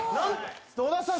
野田さん